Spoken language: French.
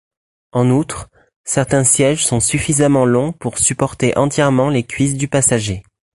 En outre, certains sièges sont suffisamment longs pour supporter entièrement les cuisses du passager.